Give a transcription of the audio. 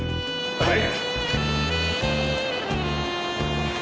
はい！